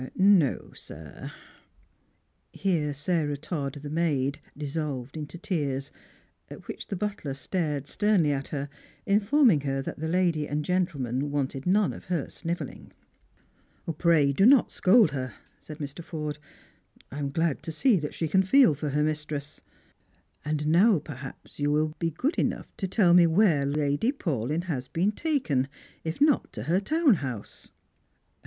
"No, sir." Here Sarah Todd, the maid, dissolved into tears ; at which the butler stared sternly at her, informing her that the lady and gentleman wanted none of her snivelling. " Pray do not scold her," said Mr. Forde. " I am glad to see that she can feel for her mistress. And now perhaps you will be good enough to tell me where Lady Paulyn has been taken —if not to her town house?"